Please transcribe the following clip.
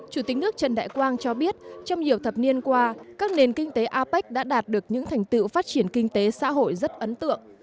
chủ tịch nước trần đại quang cho biết trong nhiều thập niên qua các nền kinh tế apec đã đạt được những thành tựu phát triển kinh tế xã hội rất ấn tượng